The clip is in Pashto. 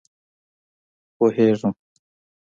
پوهېږم.